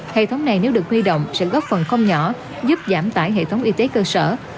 hệ thống này nếu được huy động sẽ góp phần không nhỏ giúp giảm tải hệ thống y tế cơ sở